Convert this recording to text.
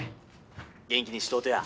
元気にしとうとや。